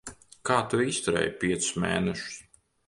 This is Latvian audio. Kā tu izturēji piecus mēnešus?